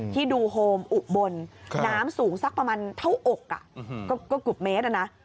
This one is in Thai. ที่ดูโฮมอุบลน้ำสูงสักประมาณเท่าอกก็เกือบเมตรนะ